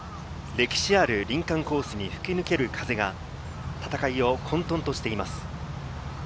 歴史ある林間コースに吹き抜ける風が戦いを混沌としています。